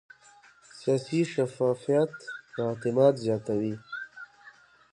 سیاسي شفافیت اعتماد زیاتوي